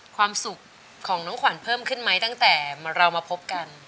ความสุขของน้องขวัญเพิ่มขึ้นไหมตั้งแต่เรามาพบกัน